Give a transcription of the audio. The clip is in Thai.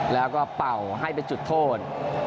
แล้วก็เป่าให้เป็นจุดโทษ